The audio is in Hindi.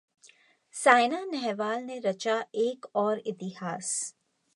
सायना नेहवाल ने रचा एक और इतिहास